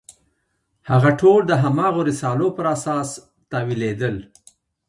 هغه ټول د هماغو رسالو پر اساس تاویلېدل.